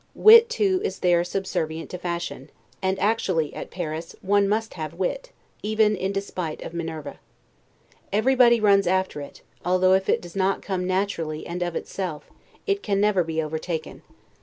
Wit, too, is there subservient to fashion; and actually, at Paris, one must have wit, even in despite of Minerva. Everybody runs after it; although if it does not come naturally and of itself; it never can be overtaken.